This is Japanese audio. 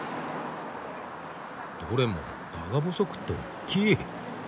どれも長細くっておっきい。